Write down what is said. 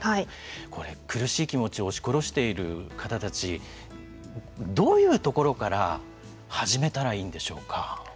これ、苦しい気持ちを押し殺している方たちどういうところから始めたらいいんでしょうか。